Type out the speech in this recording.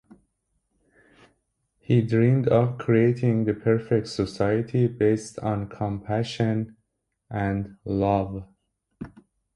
He dreamed of creating the "perfect society based on compassion and love".